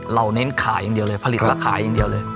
เน้นขายอย่างเดียวเลยผลิตแล้วขายอย่างเดียวเลย